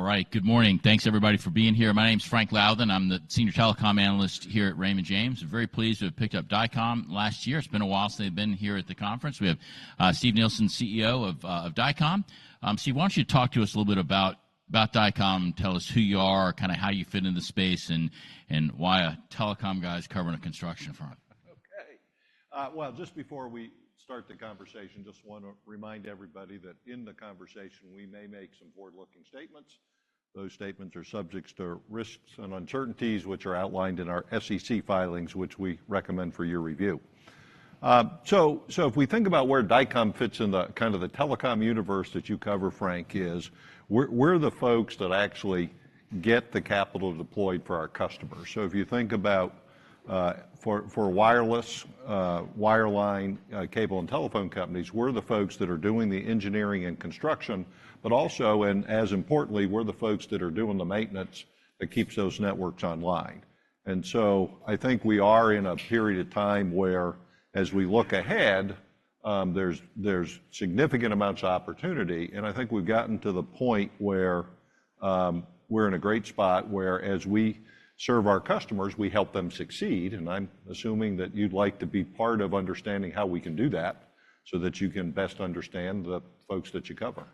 All right. Good morning. Thanks, everybody, for being here. My name is Frank Louthan. I'm the senior telecom analyst here at Raymond James. Very pleased to have picked up Dycom last year. It's been a while since they've been here at the conference. We have Steve Nielsen, CEO of Dycom. Steve, why don't you talk to us a little bit about, about Dycom? Tell us who you are, kinda how you fit in the space, and, and why a telecom guy's covering a construction firm. Okay. Well, just before we start the conversation, just wanna remind everybody that in the conversation, we may make some forward-looking statements. Those statements are subject to risks and uncertainties, which are outlined in our SEC filings, which we recommend for your review. So if we think about where Dycom fits in the kind of the telecom universe that you cover, Frank, is we're the folks that actually get the capital deployed for our customers. So if you think about for wireless, wireline, cable, and telephone companies, we're the folks that are doing the engineering and construction, but also, and as importantly, we're the folks that are doing the maintenance that keeps those networks online. And so I think we are in a period of time where, as we look ahead, there's significant amounts of opportunity, and I think we've gotten to the point where we're in a great spot, where as we serve our customers, we help them succeed. And I'm assuming that you'd like to be part of understanding how we can do that, so that you can best understand the folks that you cover.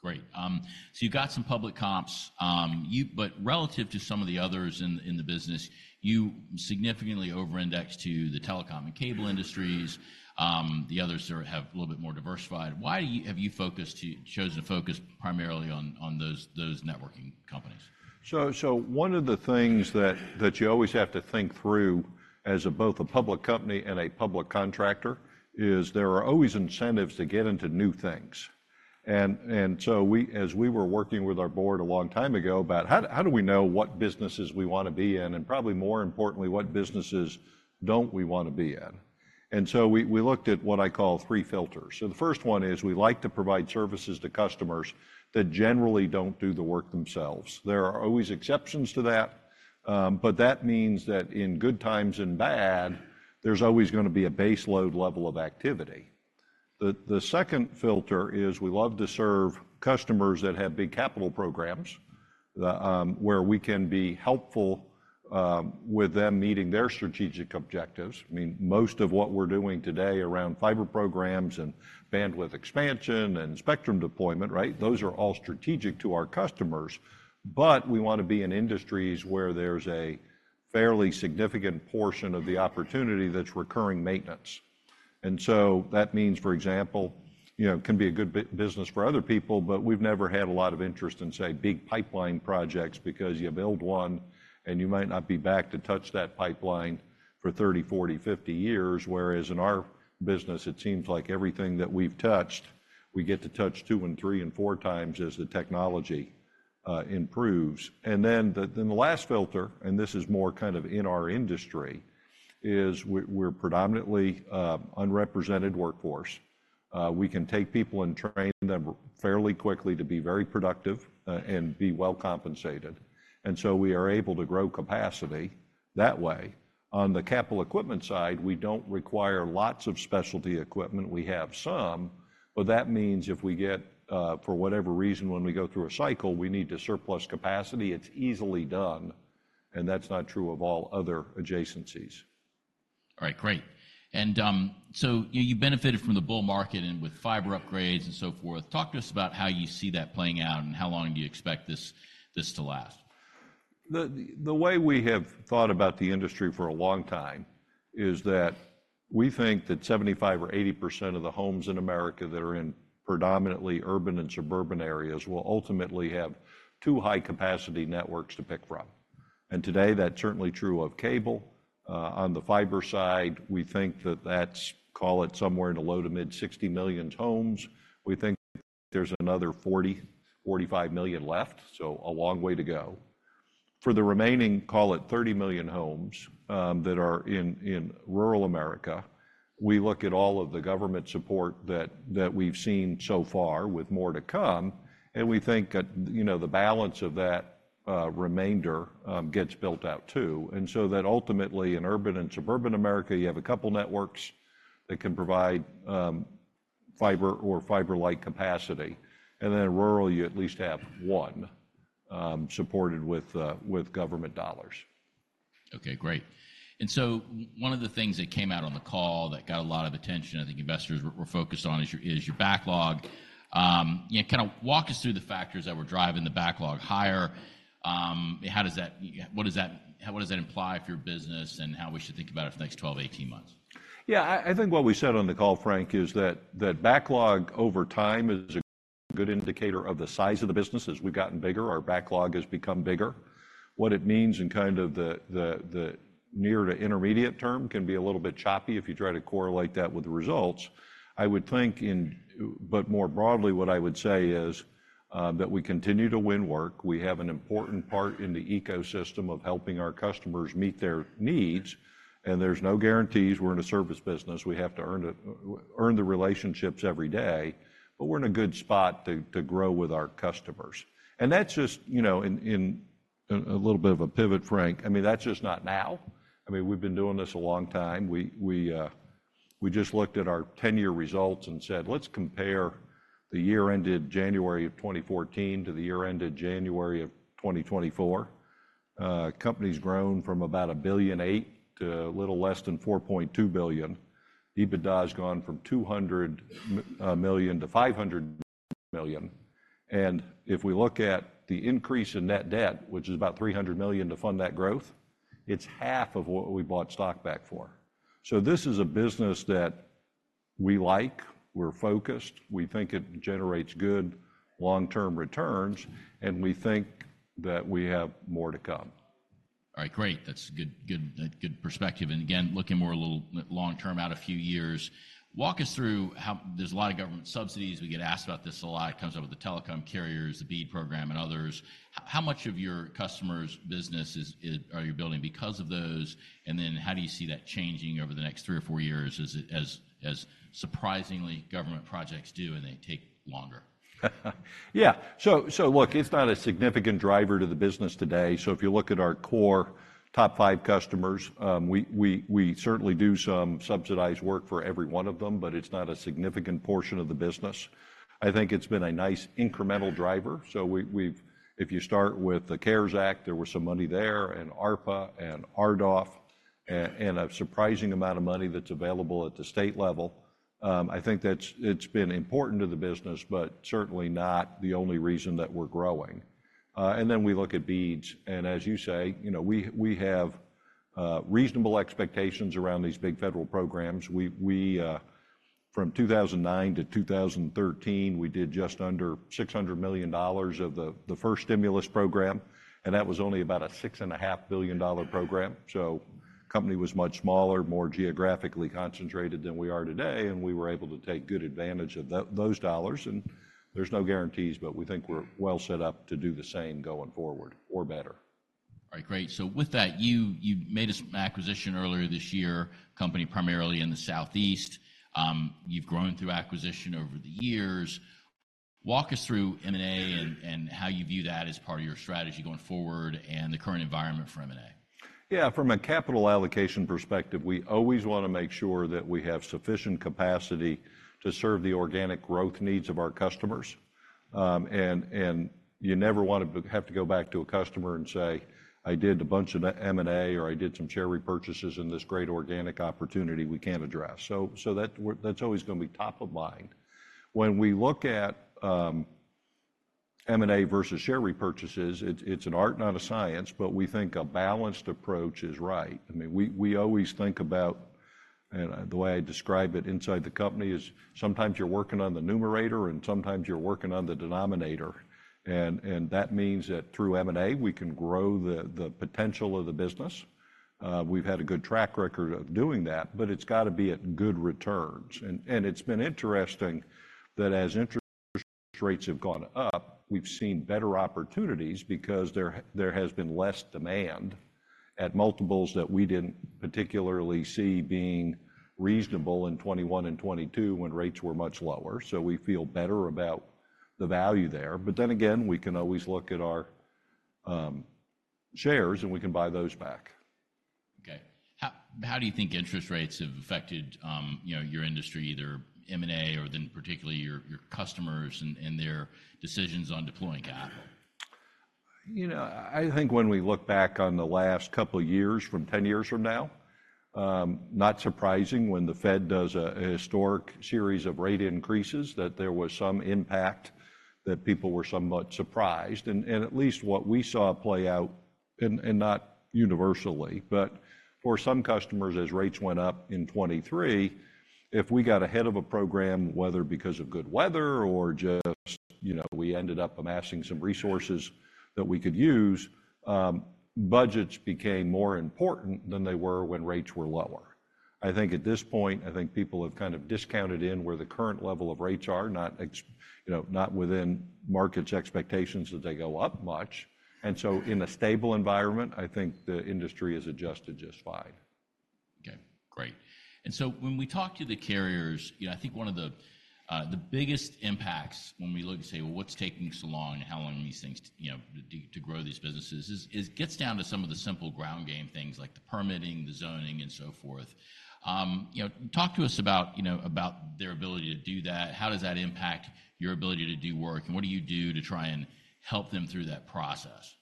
Great, so you've got some public comps, but relative to some of the others in the business, you significantly over-index to the telecom and cable industries. The others have a little bit more diversified. Why have you focused, chosen to focus primarily on those networking companies? So one of the things that you always have to think through as both a public company and a public contractor is there are always incentives to get into new things. And so we as we were working with our board a long time ago about how do we know what businesses we wanna be in, and probably more importantly, what businesses don't we wanna be in? And so we looked at what I call three filters. So the first one is we like to provide services to customers that generally don't do the work themselves. There are always exceptions to that, but that means that in good times and bad, there's always gonna be a base load level of activity. The second filter is we love to serve customers that have big capital programs, where we can be helpful with them meeting their strategic objectives. I mean, most of what we're doing today around fiber programs and bandwidth expansion and spectrum deployment, right? Those are all strategic to our customers, but we wanna be in industries where there's a fairly significant portion of the opportunity that's recurring maintenance. And so that means, for example, you know, it can be a good business for other people, but we've never had a lot of interest in, say, big pipeline projects because you build one, and you might not be back to touch that pipeline for 30, 40, 50 years. Whereas in our business, it seems like everything that we've touched, we get to touch two and three and four times as the technology improves. And then the last filter, and this is more kind of in our industry, is we're predominantly unrepresented workforce. We can take people and train them fairly quickly to be very productive, and be well compensated, and so we are able to grow capacity that way. On the capital equipment side, we don't require lots of specialty equipment. We have some, but that means if we get, for whatever reason, when we go through a cycle, we need to surplus capacity, it's easily done, and that's not true of all other adjacencies. All right, great. And, so you benefited from the bull market and with fiber upgrades and so forth. Talk to us about how you see that playing out, and how long do you expect this to last? The way we have thought about the industry for a long time is that we think that 75 or 80% of the homes in America that are in predominantly urban and suburban areas will ultimately have two high-capacity networks to pick from, and today, that's certainly true of cable. On the fiber side, we think that that's, call it, somewhere in the low to mid 60 million homes. We think there's another 40, 45 million left, so a long way to go. For the remaining, call it, 30 million homes that are in rural America, we look at all of the government support that we've seen so far, with more to come, and we think that, you know, the balance of that remainder gets built out too. And so that ultimately in urban and suburban America, you have a couple networks that can provide fiber or fiber-like capacity, and then rural, you at least have one supported with with government dollars. Okay, great. And so one of the things that came out on the call that got a lot of attention, I think investors were focused on, is your backlog. Yeah, kind of walk us through the factors that were driving the backlog higher. How does that, yeah, what does that imply for your business and how we should think about it for the next 12-18 months? Yeah, I think what we said on the call, Frank, is that that backlog over time is a good indicator of the size of the business. As we've gotten bigger, our backlog has become bigger. What it means in kind of the near to intermediate term can be a little bit choppy if you try to correlate that with the results. I would think... But more broadly, what I would say is that we continue to win work. We have an important part in the ecosystem of helping our customers meet their needs, and there's no guarantees we're in a service business. We have to earn the relationships every day, but we're in a good spot to grow with our customers. And that's just, you know, in a little bit of a pivot, Frank. I mean, that's just not now. I mean, we've been doing this a long time. We just looked at our 10-year results and said, "Let's compare the year ended January of 2014 to the year ended January of 2024." Company's grown from about $1.8 billion to a little less than $4.2 billion. EBITDA has gone from $200 million to $500 million. And if we look at the increase in net debt, which is about $300 million to fund that growth, it's half of what we bought stock back for. So this is a business that we like, we're focused, we think it generates good long-term returns, and we think that we have more to come. All right, great. That's good, good, good perspective. And again, looking more a little long term, out a few years, walk us through how there's a lot of government subsidies. We get asked about this a lot. It comes up with the telecom carriers, the BEAD program, and others. How much of your customers' business are you building because of those? And then how do you see that changing over the next three or four years as it surprisingly, government projects do, and they take longer? Yeah. So look, it's not a significant driver to the business today. So if you look at our core top five customers, we certainly do some subsidized work for every one of them, but it's not a significant portion of the business. I think it's been a nice incremental driver, so we've-- if you start with the CARES Act, there was some money there, and ARPA, and RDOF, and a surprising amount of money that's available at the state level. I think that's-- it's been important to the business, but certainly not the only reason that we're growing. And then we look at BEADs, and as you say, you know, we have reasonable expectations around these big federal programs. From 2009 to 2013, we did just under $600 million of the first stimulus program, and that was only about a $6.5 billion program. So company was much smaller, more geographically concentrated than we are today, and we were able to take good advantage of those dollars, and there's no guarantees, but we think we're well set up to do the same going forward or better. All right, great. So with that, you made an acquisition earlier this year, company primarily in the Southeast. You've grown through acquisition over the years. Walk us through M&A and how you view that as part of your strategy going forward and the current environment for M&A. Yeah, from a capital allocation perspective, we always wanna make sure that we have sufficient capacity to serve the organic growth needs of our customers. And you never want to have to go back to a customer and say, "I did a bunch of M&A, or I did some share repurchases in this great organic opportunity we can't address." So, so that's always gonna be top of mind. When we look at, M&A versus share repurchases, it's, it's an art, not a science, but we think a balanced approach is right. I mean, we, we always think about, and the way I describe it inside the company is sometimes you're working on the numerator, and sometimes you're working on the denominator. And that means that through M&A, we can grow the, the potential of the business. We've had a good track record of doing that, but it's got to be at good returns. And it's been interesting that as interest rates have gone up, we've seen better opportunities because there has been less demand at multiples that we didn't particularly see being reasonable in 2021 and 2022 when rates were much lower. So we feel better about the value there. But then again, we can always look at our shares, and we can buy those back. Okay. How do you think interest rates have affected, you know, your industry, either M&A or then particularly your customers and their decisions on deploying capital? You know, I think when we look back on the last couple of years from 10 years from now, not surprising when the Fed does a historic series of rate increases, that there was some impact, that people were somewhat surprised. And at least what we saw play out and not universally, but for some customers, as rates went up in 2023, if we got ahead of a program, whether because of good weather or just, you know, we ended up amassing some resources that we could use, budgets became more important than they were when rates were lower. I think at this point, I think people have kind of discounted in where the current level of rates are not exp, you know, not within markets' expectations that they go up much. In a stable environment, I think the industry has adjusted just fine. Okay, great. And so when we talk to the carriers, you know, I think one of the biggest impacts when we look and say, "Well, what's taking so long, and how long are these things to grow these businesses?" It gets down to some of the simple ground game things like the permitting, the zoning, and so forth. You know, talk to us about their ability to do that. How does that impact your ability to do work, and what do you do to try and help them through that process?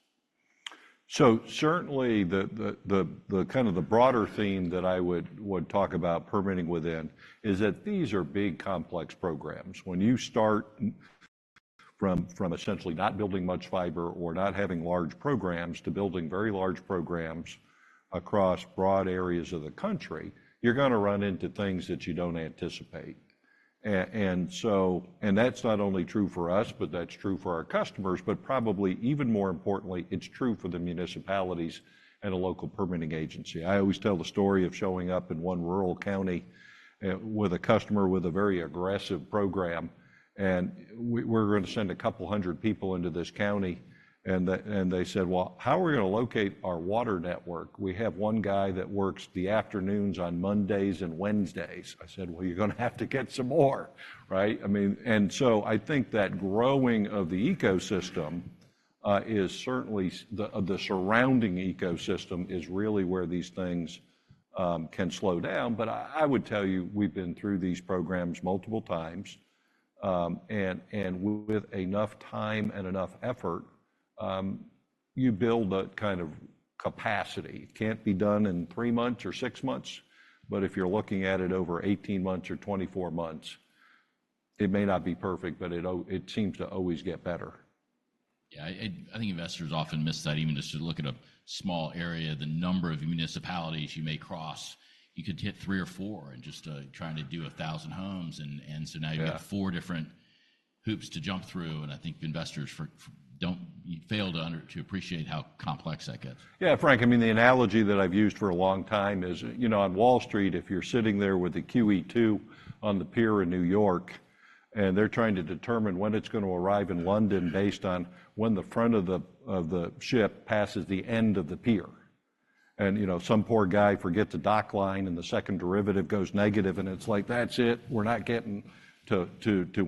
So certainly, the broader theme that I would talk about permitting within is that these are big, complex programs. When you start from essentially not building much fiber or not having large programs to building very large programs across broad areas of the country, you're gonna run into things that you don't anticipate. And so that's not only true for us, but that's true for our customers, but probably even more importantly, it's true for the municipalities and the local permitting agency. I always tell the story of showing up in one rural county with a customer with a very aggressive program, and we're gonna send a couple hundred people into this county, and they said, "Well, how are we gonna locate our water network? We have one guy that works the afternoons on Mondays and Wednesdays," I said. "Well, you're gonna have to get some more," right? I mean, and so I think that growing of the ecosystem is certainly the, the surrounding ecosystem is really where these things can slow down. But I would tell you, we've been through these programs multiple times, and with enough time and enough effort, you build a kind of capacity. It can't be done in 3 months or 6 months, but if you're looking at it over 18 months or 24 months, it may not be perfect, but it seems to always get better. Yeah, I think investors often miss that. Even just to look at a small area, the number of municipalities you may cross, you could hit 3 or 4 in just trying to do 1,000 homes. And so now- Yeah... you've got four different hoops to jump through, and I think investors fail to appreciate how complex that gets. Yeah, Frank, I mean, the analogy that I've used for a long time is, you know, on Wall Street, if you're sitting there with the QE2 on the pier in New York, and they're trying to determine when it's gonna arrive in London based on when the front of the ship passes the end of the pier. And, you know, some poor guy forgets the dock line, and the second derivative goes negative, and it's like, "That's it. We're not getting to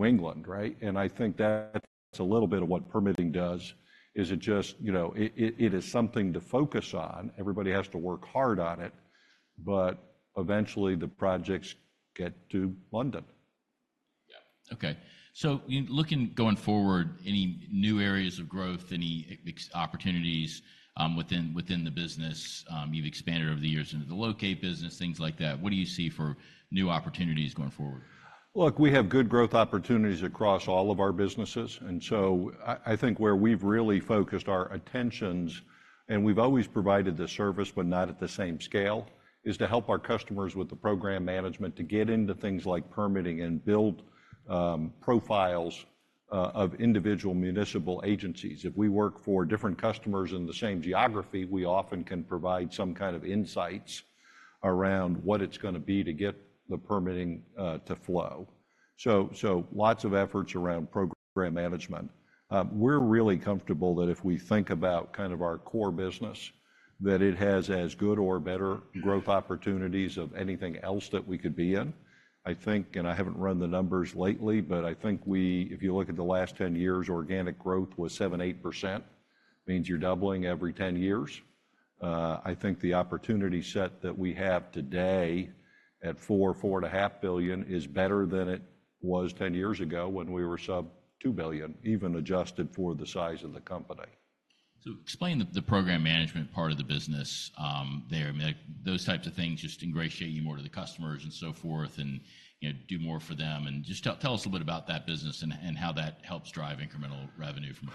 England," right? And I think that's a little bit of what permitting does, is it just, you know... It is something to focus on. Everybody has to work hard on it, but eventually, the projects get to London. Yeah. Okay. So in looking going forward, any new areas of growth, any ex- opportunities within the business? You've expanded over the years into the locate business, things like that. What do you see for new opportunities going forward? Look, we have good growth opportunities across all of our businesses, and so I think where we've really focused our attentions, and we've always provided this service but not at the same scale, is to help our customers with the program management to get into things like permitting and build profiles of individual municipal agencies. If we work for different customers in the same geography, we often can provide some kind of insights around what it's gonna be to get the permitting to flow. So lots of efforts around program management. We're really comfortable that if we think about kind of our core business, that it has as good or better growth opportunities of anything else that we could be in. I think, and I haven't run the numbers lately, but I think we, if you look at the last 10 years, organic growth was 7-8%. Means you're doubling every 10 years. I think the opportunity set that we have today at $4-$4.5 billion is better than it was 10 years ago when we were sub-$2 billion, even adjusted for the size of the company. So explain the program management part of the business there. I mean, like, those types of things just ingratiate you more to the customers and so forth, and, you know, do more for them. And just tell us a bit about that business and how that helps drive incremental revenue from the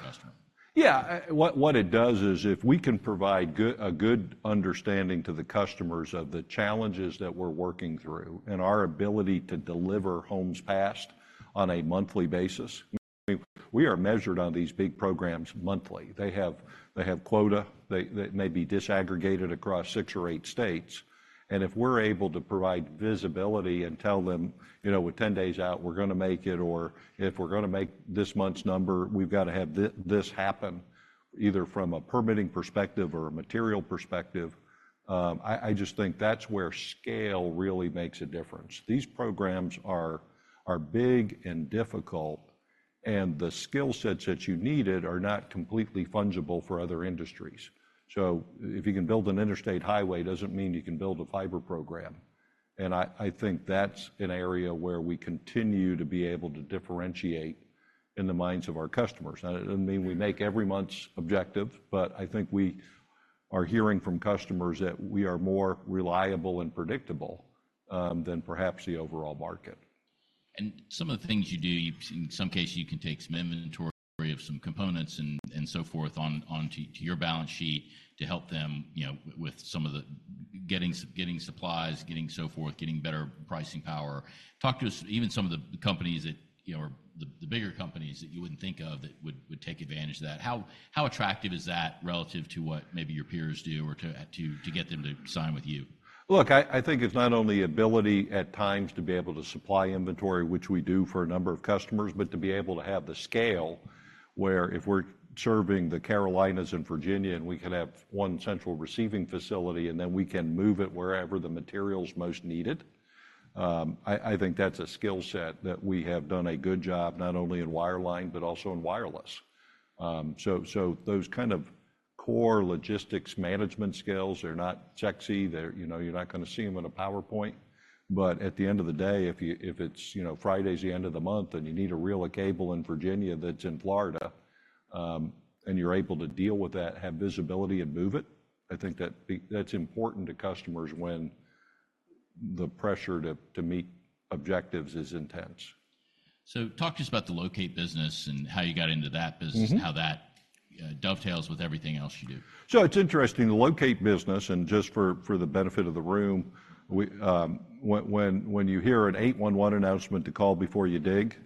customer. Yeah. What it does is if we can provide a good understanding to the customers of the challenges that we're working through and our ability to deliver homes passed on a monthly basis... We are measured on these big programs monthly. They have quota; they may be disaggregated across 6 or 8 states. And if we're able to provide visibility and tell them, "You know, we're 10 days out, we're gonna make it," or, "If we're gonna make this month's number, we've got to have this happen," either from a permitting perspective or a material perspective, I just think that's where scale really makes a difference. These programs are big and difficult, and the skill sets that you needed are not completely fungible for other industries. If you can build an interstate highway, doesn't mean you can build a fiber program, and I, I think that's an area where we continue to be able to differentiate in the minds of our customers. Now, it doesn't mean we make every month's objective, but I think we are hearing from customers that we are more reliable and predictable than perhaps the overall market. Some of the things you do, in some cases, you can take some inventory of some components and so forth onto your balance sheet to help them, you know, with some of the getting supplies, getting so forth, getting better pricing power. Talk to us, even some of the companies that, you know, or the bigger companies that you wouldn't think of that would take advantage of that. How attractive is that relative to what maybe your peers do or to get them to sign with you? Look, I think it's not only ability at times to be able to supply inventory, which we do for a number of customers, but to be able to have the scale where if we're serving the Carolinas and Virginia, and we can have one central receiving facility, and then we can move it wherever the material's most needed. I think that's a skill set that we have done a good job, not only in wireline but also in wireless. So those kind of core logistics management skills are not sexy. They're... You know, you're not gonna see them in a PowerPoint, but at the end of the day, if it's, you know, Friday's the end of the month, and you need to reel a cable in Virginia that's in Florida, and you're able to deal with that, have visibility, and move it, I think that's important to customers when the pressure to meet objectives is intense. Talk to us about the locate business and how you got into that business? Mm-hmm... and how that dovetails with everything else you do. So it's interesting, the locate business, and just for the benefit of the room, we, when you hear an 811 announcement to call before you dig,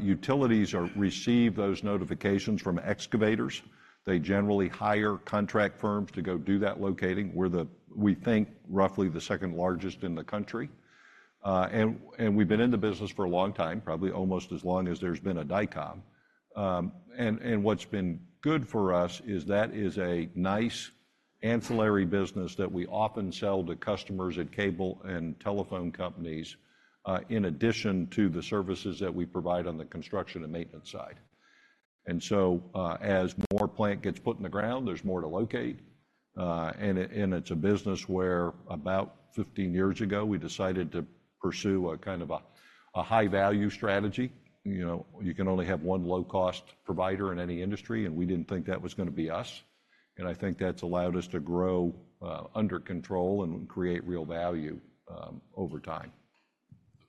utilities receive those notifications from excavators. They generally hire contract firms to go do that locating. We're the, we think, roughly the second largest in the country, and we've been in the business for a long time, probably almost as long as there's been a Dycom. And what's been good for us is that is a nice ancillary business that we often sell to customers at cable and telephone companies, in addition to the services that we provide on the construction and maintenance side. And so, as more plant gets put in the ground, there's more to locate. It's a business where about 15 years ago we decided to pursue a kind of high-value strategy. You know, you can only have one low-cost provider in any industry, and we didn't think that was gonna be us, and I think that's allowed us to grow under control and create real value over time.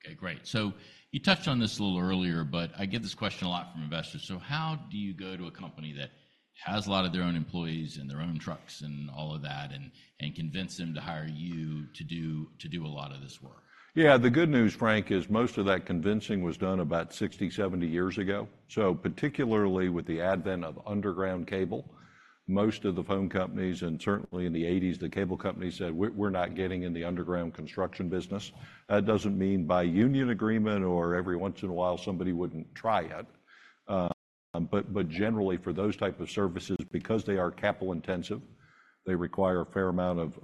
Okay, great. So you touched on this a little earlier, but I get this question a lot from investors. So how do you go to a company that has a lot of their own employees and their own trucks and all of that and convince them to hire you to do a lot of this work? Yeah, the good news, Frank, is most of that convincing was done about 60, 70 years ago. So particularly with the advent of underground cable, most of the phone companies, and certainly in the '80s, the cable company said, "We're not getting in the underground construction business." That doesn't mean by union agreement or every once in a while, somebody wouldn't try it. But generally, for those type of services, because they are capital-intensive, they require a fair amount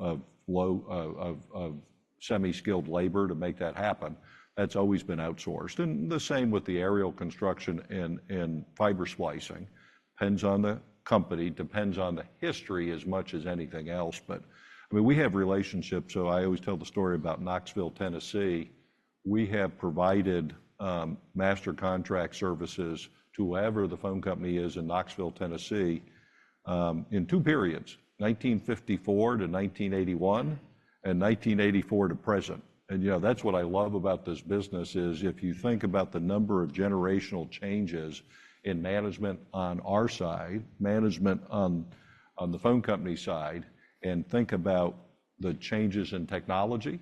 of semi-skilled labor to make that happen. That's always been outsourced. And the same with the aerial construction and fiber splicing, depends on the company, depends on the history as much as anything else. But, I mean, we have relationships, so I always tell the story about Knoxville, Tennessee. We have provided master contract services to whoever the phone company is in Knoxville, Tennessee, in two periods: 1954 to 1981 and 1984 to present. And, you know, that's what I love about this business is if you think about the number of generational changes in management on our side, management on, on the phone company side, and think about the changes in technology,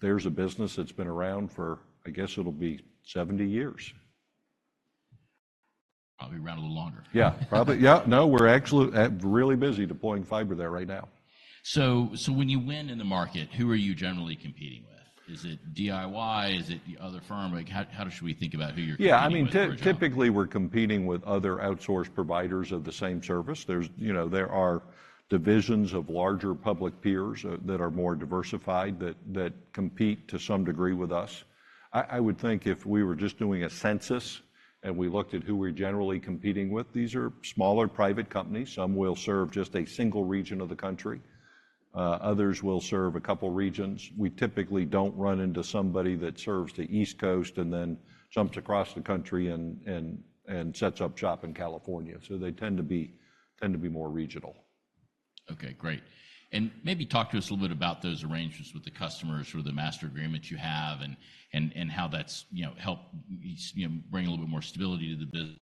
there's a business that's been around for, I guess it'll be 70 years. Probably around a little longer. Yeah, probably. Yeah. No, we're actually really busy deploying fiber there right now. When you win in the market, who are you generally competing with? Is it DIY? Is it the other firm? Like, how should we think about who you're competing with for a job? Yeah, I mean, typically, we're competing with other outsourced providers of the same service. There's, you know, there are divisions of larger public peers that are more diversified that compete to some degree with us. I would think if we were just doing a census and we looked at who we're generally competing with, these are smaller, private companies. Some will serve just a single region of the country, others will serve a couple of regions. We typically don't run into somebody that serves the East Coast and then jumps across the country and sets up shop in California, so they tend to be more regional. Okay, great. Maybe talk to us a little bit about those arrangements with the customers or the master agreements you have and how that's, you know, helped, you know, bring a little bit more stability to the business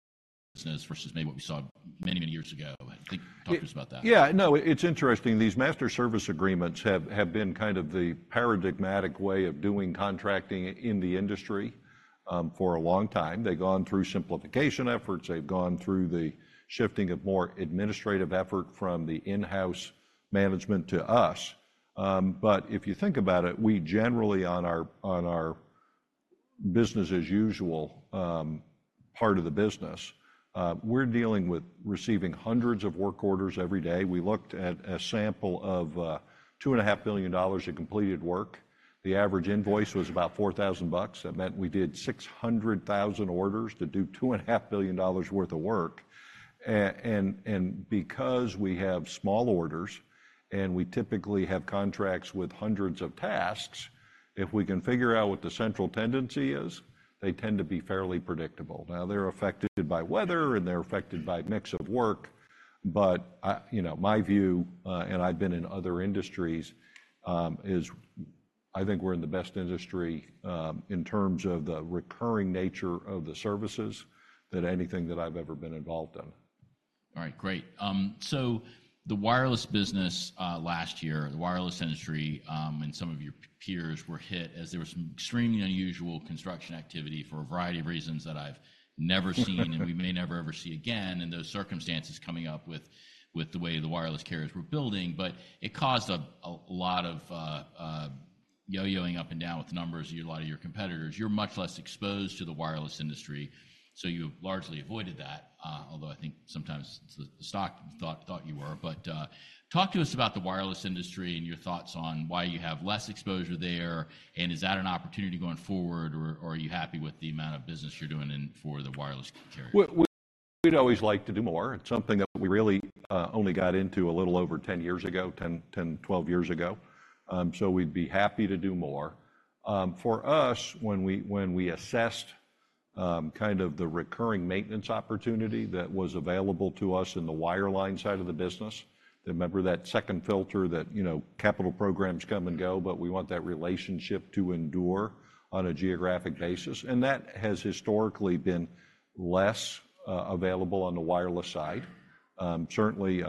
versus maybe what we saw many, many years ago. I think, talk to us about that. Yeah, no, it's interesting. These master service agreements have been kind of the paradigmatic way of doing contracting in the industry for a long time. They've gone through simplification efforts. They've gone through the shifting of more administrative effort from the in-house management to us. But if you think about it, we generally, on our business as usual part of the business, we're dealing with receiving hundreds of work orders every day. We looked at a sample of $2.5 billion in completed work. The average invoice was about $4,000. That meant we did 600,000 orders to do $2.5 billion worth of work. and because we have small orders and we typically have contracts with hundreds of tasks, if we can figure out what the central tendency is, they tend to be fairly predictable. Now, they're affected by weather, and they're affected by mix of work, but I... You know, my view, and I've been in other industries, is I think we're in the best industry, in terms of the recurring nature of the services than anything that I've ever been involved in. All right, great. So the wireless business, last year, the wireless industry, and some of your peers were hit as there was some extremely unusual construction activity for a variety of reasons that I've never seen and we may never, ever see again, and those circumstances coming up with the way the wireless carriers were building. But it caused a lot of yo-yoing up and down with numbers, a lot of your competitors. You're much less exposed to the wireless industry, so you largely avoided that, although I think sometimes the stock thought you were. But talk to us about the wireless industry and your thoughts on why you have less exposure there, and is that an opportunity going forward, or are you happy with the amount of business you're doing in for the wireless carrier? We'd always like to do more. It's something that we really only got into a little over 10 years ago, 10, 10, 12 years ago. So we'd be happy to do more. For us, when we assessed kind of the recurring maintenance opportunity that was available to us in the wireline side of the business, remember that second filter that you know, capital programs come and go, but we want that relationship to endure on a geographic basis, and that has historically been less available on the wireless side. Certainly,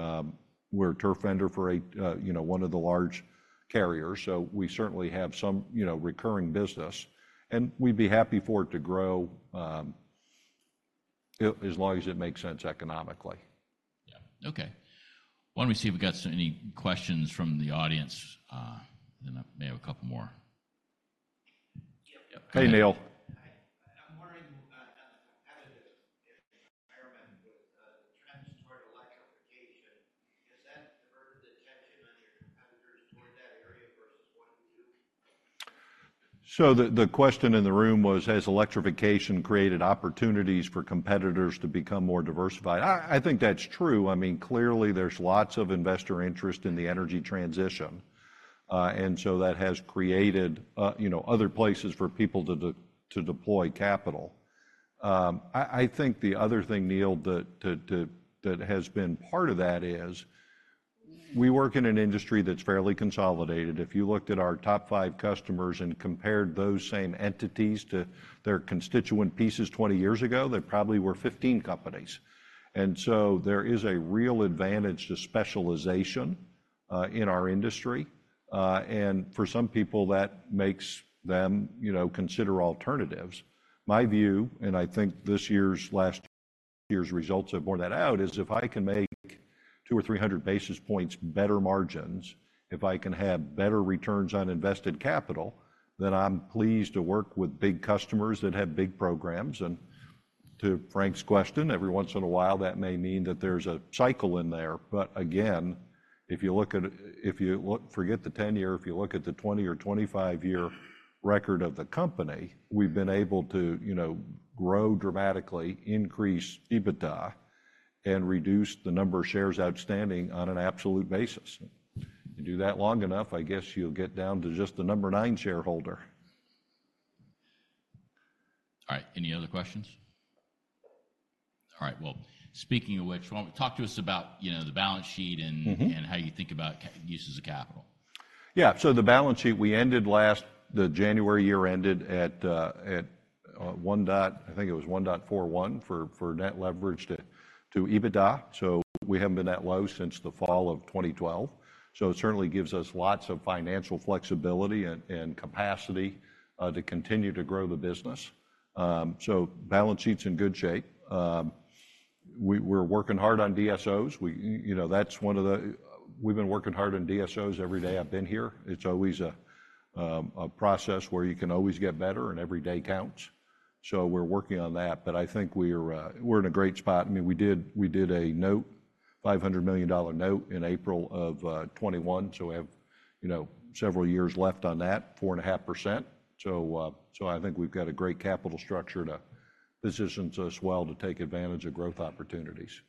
we're a turf vendor for a you know, one of the large carriers, so we certainly have some you know, recurring business, and we'd be happy for it to grow as long as it makes sense economically. Yeah. Okay. Why don't we see if we've got some, any questions from the audience, and I may have a couple more. Yep, yep. Hey, Neil. ... environment with transitory electrification, has that diverted the attention on your competitors toward that area versus what you do? So the question in the room was, has electrification created opportunities for competitors to become more diversified? I think that's true. I mean, clearly, there's lots of investor interest in the energy transition. And so that has created, you know, other places for people to deploy capital. I think the other thing, Neil, that has been part of that is we work in an industry that's fairly consolidated. If you looked at our top five customers and compared those same entities to their constituent pieces 20 years ago, they probably were 15 companies. And so there is a real advantage to specialization in our industry, and for some people, that makes them, you know, consider alternatives. My view, and I think this year's, last year's results have borne that out, is if I can make 200 or 300 basis points better margins, if I can have better returns on invested capital, then I'm pleased to work with big customers that have big programs. And to Frank's question, every once in a while, that may mean that there's a cycle in there. But again, if you look at, if you look... forget the 10-year, if you look at the 20- or 25-year record of the company, we've been able to, you know, grow dramatically, increase EBITDA and reduce the number of shares outstanding on an absolute basis. You do that long enough, I guess you'll get down to just the number nine shareholder. All right, any other questions? All right, well, speaking of which, why don't... Talk to us about, you know, the balance sheet and- Mm-hmm... and how you think about uses of capital. Yeah. So the balance sheet, we ended last, the January year ended at 1.41 for net leverage to EBITDA, so we haven't been that low since the fall of 2012. So it certainly gives us lots of financial flexibility and capacity to continue to grow the business. So balance sheet's in good shape. We're working hard on DSOs. You know, that's one of the... We've been working hard on DSOs every day I've been here. It's always a process where you can always get better, and every day counts. So we're working on that, but I think we're in a great spot. I mean, we did, we did a note, $500 million note in April of 2021, so we have, you know, several years left on that, 4.5%. So, so I think we've got a great capital structure to position us well to take advantage of growth opportunities.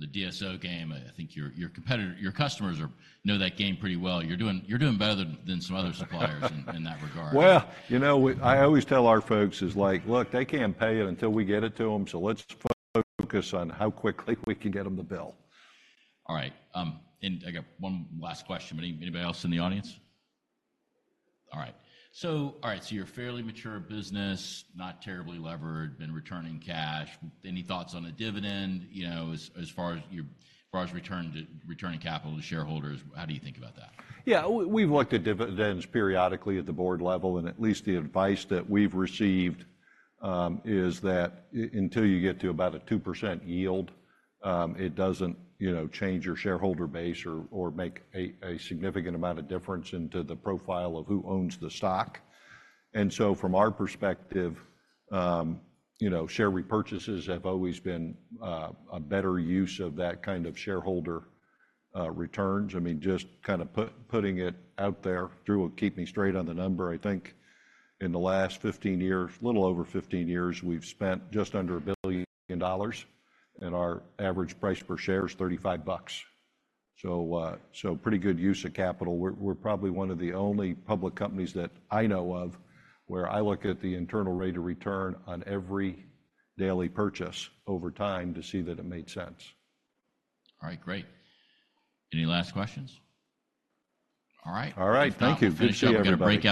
The DSO game, I think your competitors, your customers know that game pretty well. You're doing better than some other suppliers in that regard. Well, you know, I always tell our folks is like: "Look, they can't pay it until we get it to them, so let's focus on how quickly we can get them the bill. All right, I got one last question. Anybody else in the audience? All right. So, you're a fairly mature business, not terribly levered, been returning cash. Any thoughts on a dividend, you know, as far as returning capital to shareholders? How do you think about that? Yeah, we, we've looked at dividends periodically at the board level, and at least the advice that we've received, is that until you get to about a 2% yield, it doesn't, you know, change your shareholder base or, or make a, a significant amount of difference into the profile of who owns the stock. And so from our perspective, you know, share repurchases have always been, a better use of that kind of shareholder, returns. I mean, just kind of putting it out there. Drew will keep me straight on the number. I think in the last 15 years, a little over 15 years, we've spent just under $1 billion, and our average price per share is $35. So, so pretty good use of capital. We're probably one of the only public companies that I know of where I look at the internal rate of return on every daily purchase over time to see that it made sense. All right, great. Any last questions? All right. All right, thank you. We'll finish up. Good to see everybody. We've got a breakout-